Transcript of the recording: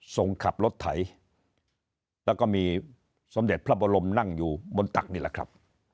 ส่งขับรถไถแล้วก็มีสมเด็จพระบรมนั่งอยู่บนตักนี่แหละครับ